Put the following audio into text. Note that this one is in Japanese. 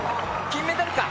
金メダルか？